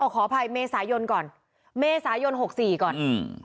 อ้อขอภัยเมษายนก่อนเมษายน๖๔ก่อน